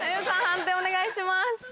判定お願いします。